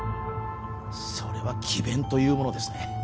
それは詭弁というものですね